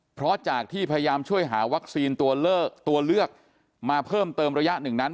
เพราะจากที่พยายามช่วยหาวัคซีนตัวเลือกมาเพิ่มเติมระยะหนึ่งนั้น